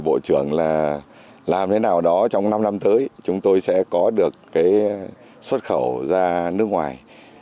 bộ trưởng là làm thế nào đó trong năm năm tới chúng tôi sẽ có được cái xuất khẩu ra nước ngoài